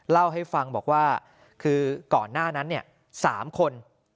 เล่าให้ฟังบอกว่าคือก่อนหน้านั้น๓คน